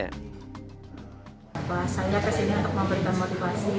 saya kesini untuk memberikan motivasi